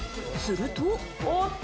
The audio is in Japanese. すると。